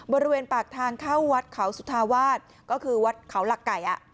บริเวณปากทางเข้าวัดเขาสุธาวาสก็คือวัดเขาหลักไก่